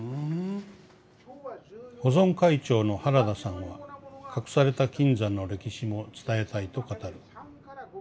「保存会長の原田さんは隠された金山の歴史も伝えたいと語る。